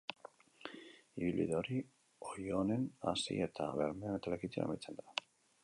Ibilbide hori Oionen hasi eta Bermeon eta Lekeition amaitzen da.